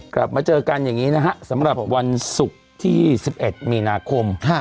กลับมาเจอกันอย่างนี้นะฮะสำหรับวันศุกร์ที่๑๑มีนาคม